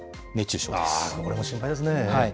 これも心配ですね。